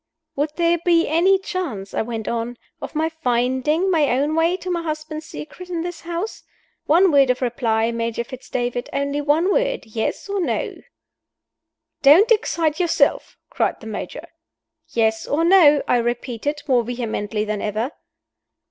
"Would there be any chance," I went on, "of my finding my own way to my husband's secret in this house? One word of reply, Major Fitz David! Only one word Yes or No?" "Don't excite yourself!" cried the Major. "Yes or No?" I repeated, more vehemently than ever.